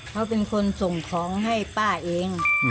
เขาเป็นคนส่งของให้ป้าเอง